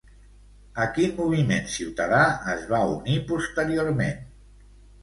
A quin moviment ciutadà es va unir posteriorment?